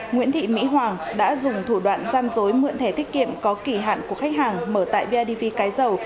nguyễn thị mỹ hoàng đã dùng thủ đoạn gian dối mượn thẻ tiết kiệm có kỷ hạn của khách hàng mở tại bidv cái dầu